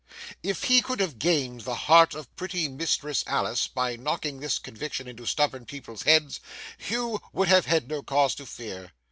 If he could have gained the heart of pretty Mistress Alice by knocking this conviction into stubborn people's heads, Hugh would have had no cause to fear.